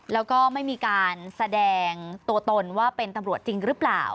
แล้วก็ไม่มีการแสดงตัวตนว่าเป็นตำรวจจริงหรือเปล่า